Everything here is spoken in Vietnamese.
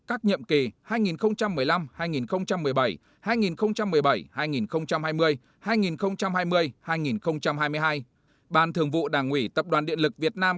các nhiệm kỳ hai nghìn một mươi năm hai nghìn một mươi bảy hai nghìn một mươi bảy hai nghìn hai mươi hai nghìn hai mươi hai nghìn hai mươi hai ban thường vụ đảng ủy tập đoàn điện lực việt nam